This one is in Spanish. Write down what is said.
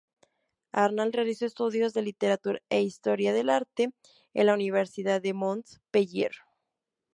Arnal realizó estudios de literatura e historia del arte en la Universidad de Montpellier.